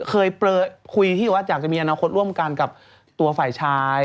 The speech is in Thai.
เคยคุยที่ว่าอยากจะมีอนาคตร่วมกันกับตัวฝ่ายชาย